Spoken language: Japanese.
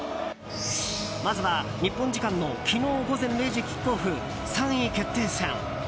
まずは、日本時間の昨日午前０時キックオフ、３位決定戦。